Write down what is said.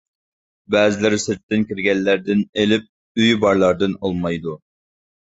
بەزىلىرى سىرتتىن كىرگەنلەردىن ئېلىپ ئۆيى بارلاردىن ئالمايدۇ!